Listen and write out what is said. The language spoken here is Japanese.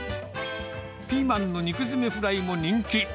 ピーマンの肉詰めフライも人気。